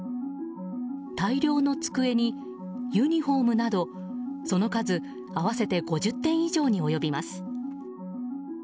大量の机にユニホームなどその数合わせて５０点以上に及びます。